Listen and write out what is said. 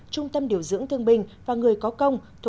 trung tâm điều dưỡng thương binh và người có công